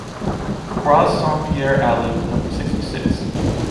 Croix Saint-Pierre alley, number sixty-six